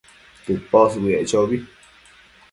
tëposbëec chobi